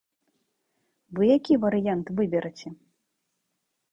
Вы які варыянт выбераце?